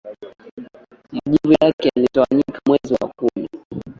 majivu yake yalitawanyika mwezi wa kumi